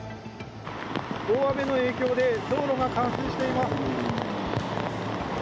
大雨の影響で道路が冠水しています。